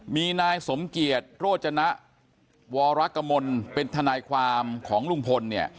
มีนายสมเกียจโรจนะวรกมลเป็นทนายความของลุงพลเนี่ย